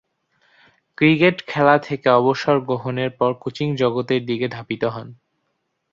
Cricket খেলা থেকে অবসর গ্রহণের পর কোচিং জগতের দিকে ধাবিত হন।